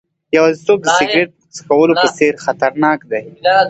یوازیتوب د سیګریټ څکولو په څېر خطرناک دی.